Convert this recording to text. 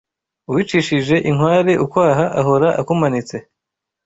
Uwicishije inkware ukwaha ahora akumanitse